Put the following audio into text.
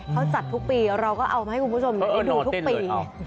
เขาจัดทุกปีเราก็เอามาให้คุณผู้ชมดูทุกปี